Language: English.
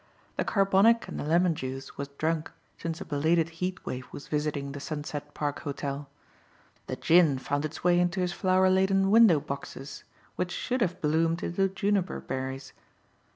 The carbonic and the lemon juice was drunk since a belated heat wave was visiting the Sunset Park Hotel. The gin found its way into his flower laden window boxes, which should have bloomed into juniper berries.